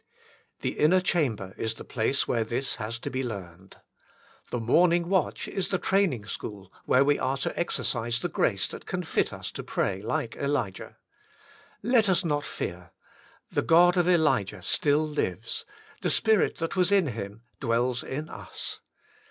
The inner chamber is the place where this has to be learned. The morning watch is the training school where we are to exercise the grace that can fit us to pray like Elijah. Let us not fear. The God of Elijah still lives; the spirit that was in him dwells in us.